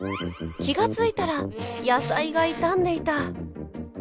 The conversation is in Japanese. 気が付いたら野菜が傷んでいた。